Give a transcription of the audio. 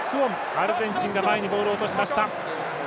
アルゼンチン前にボールを落としました。